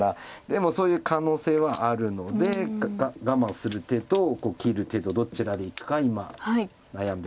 でもそういう可能性はあるので我慢する手と切る手とどちらでいくか今悩んでるんだと思います。